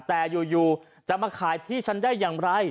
แต่อยู่จะมาขายที่ฉันได้อย่างไร